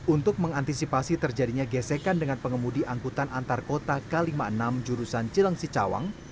untuk mengantisipasi terjadinya gesekan dengan pengemudi angkutan antarkota k lima puluh enam jurusan cilang cicawang